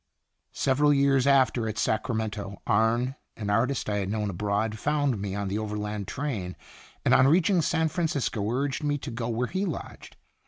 Several years after, at Sacramento, Arne, an artist I had known abroad, found me on the overland train, and on reaching San Francisco urged me to go where he lodged.